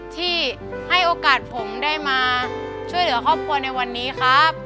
ที่ให้โอกาสผมได้มาช่วยเหลือครอบครัวในวันนี้ครับ